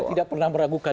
saya tidak pernah meragukan